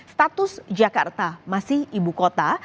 status jakarta masih ibu kota